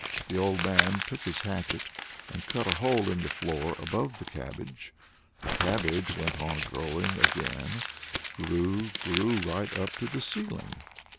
The old man took his hatchet and cut a hole in the floor above the cabbage. The cabbage went on growing again; grew, grew right up to the ceiling.